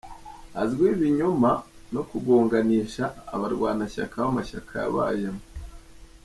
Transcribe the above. Azwiho ibinyoma no kungonganisha abarwanashyaka b’amashyaka yabayemo.